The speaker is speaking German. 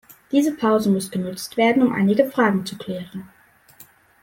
Diese Pause muss genutzt werden, um einige Fragen zu klären.